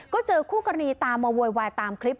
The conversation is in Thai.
ก็เจอคู่กรณีตามมาโวยวายตามคลิป